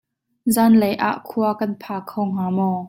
Zaanlei ah khua kan pha kho hnga maw?